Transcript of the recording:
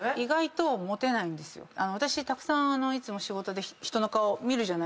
私たくさんいつも仕事で人の顔見るじゃないですか。